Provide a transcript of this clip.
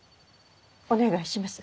お願いします。